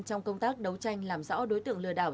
trong công tác đấu tranh làm rõ đối tượng lừa đảo